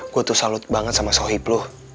gue tuh salut banget sama sohib loh